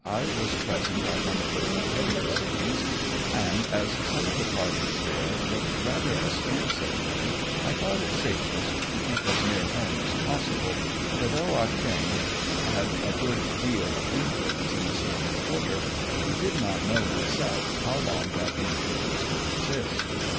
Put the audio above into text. I was present at one of their beheading scenes, and as some of the parties there looked rather askance at me, I thought it safest to keep as near home as possible, for though Ah Cheong had a good deal of influence in a certain quarter, he did not know himself how long that influ ence would exist.